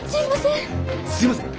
すいません。